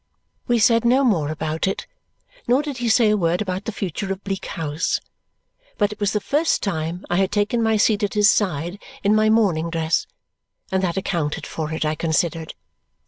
We said no more about it, nor did he say a word about the future of Bleak House. But it was the first time I had taken my seat at his side in my mourning dress, and that accounted for it, I considered.